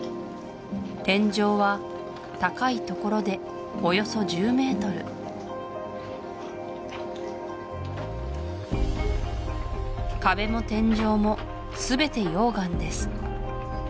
天井は高い所でおよそ１０ｍ壁も天井もすべて溶岩です